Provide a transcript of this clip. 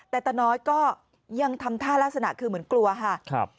แต่ตาน้อยก็ยังทำท่ารักษณะคือเหมือนกลัวค่ะ